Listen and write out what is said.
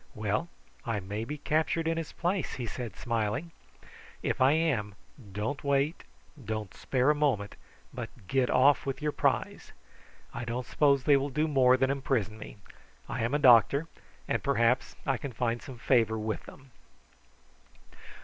"Well; I may be captured in his place!" he said smiling. "If I am, don't wait, don't spare a moment, but get off with your prize. I don't suppose they will do more than imprison me. I am a doctor, and perhaps I can find some favour with them."